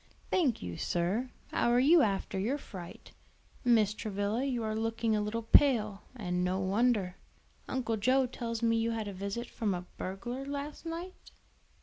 "Thank you, sir. How are you after your fright? Mrs. Travilla, you are looking a little pale; and no wonder. Uncle Joe tells me you had a visit from a burglar last night?"